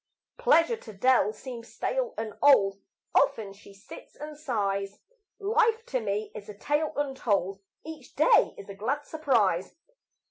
Pleasure to Dell seems stale and old, Often she sits and sighs; Life to me is a tale untold, Each day is a glad surprise.